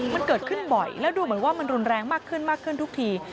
มันเกิดขึ้นบ่อยแล้วดูเหมือนว่ามันรุนแรงมากขึ้นมากขึ้นทุกที